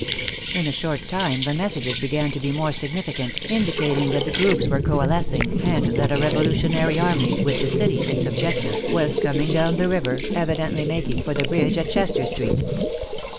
In a short time the messages began to be more significant, indicating that the groups were coalescing and that a revolutionary army, with the city its objective, was coming down the river, evidently making for the bridge at Chester Street.